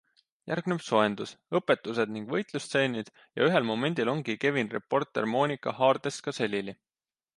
Järgneb soendus, õpetused ning võitlusstseenid ja ühel momendil ongi Kevin reporter Monika haardes ka selili.